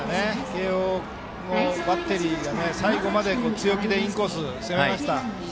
慶応のバッテリーが最後まで強気でインコース攻めました。